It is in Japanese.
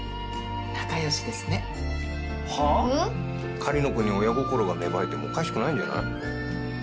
狩野くんに親心が芽生えてもおかしくないんじゃない？